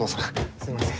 すいません。